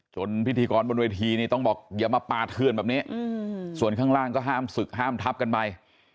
พิธีกรบนเวทีนี่ต้องบอกอย่ามาปาเทือนแบบนี้ส่วนข้างล่างก็ห้ามศึกห้ามทับกันไป